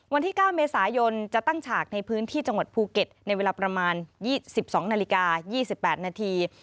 วันที่๙เมษายนจะตั้งฉากในพื้นที่จังหวัดภูเก็ตในเวลาประมาณ๒๒นาฬิกา๒๘นาที